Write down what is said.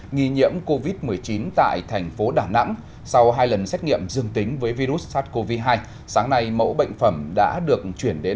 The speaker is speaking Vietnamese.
nghi nhiễm covid một mươi chín tại thành phố đà nẵng sau hai lần xét nghiệm dương tính với virus sars cov hai sáng nay mẫu bệnh phẩm đã được chuyển đến